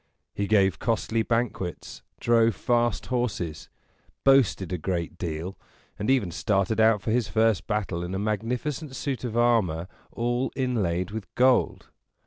He gave costly banquets, drove fast horses, boasted a great deal, and even started out for his first battle in a magnificent suit of armor all inlaid with gold.